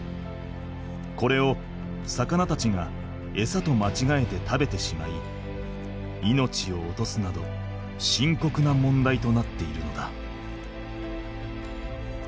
これを魚たちがエサと間違えて食べてしまい命を落とすなどしんこくな問題となっているのだ。